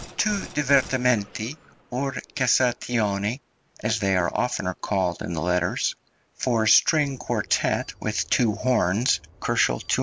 Two divertimenti or cassationi, as they are oftener called in the letters, for string quartet, with two horns (247, 287, K.)